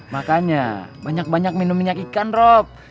makanya banyak banyak minum minyak ikan rob